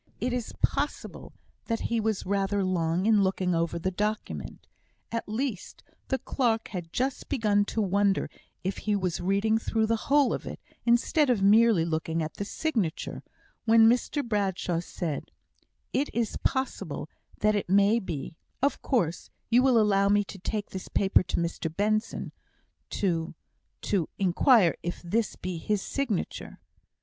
It is possible that he was rather long in looking over the document at least, the clerk had just begun to wonder if he was reading through the whole of it, instead of merely looking at the signature, when Mr Bradshaw said: "It is possible that it may be of course, you will allow me to take this paper to Mr Benson, to to inquire if this be his signature?"